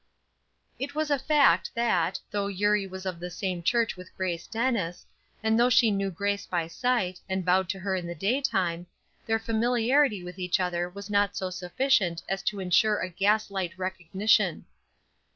It was a fact that, though Eurie was of the same church with Grace Dennis, and though she knew Grace by sight, and bowed to her in the daytime, their familiarity with each other was not so sufficient as to insure a gas light recognition.